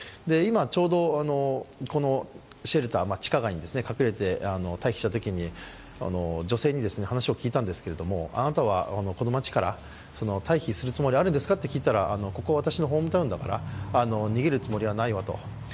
今、ちょうどこのシェルター、地下街に隠れて退避したときに、女性に話を聞いたんですけれども、あなたはこの街から退避するつもりはあるんですかと聞いたらここは私のホームタウンだから逃げるつもりはないわと。